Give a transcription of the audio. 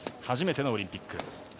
初めてのオリンピック。